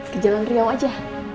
ke jalan rio aja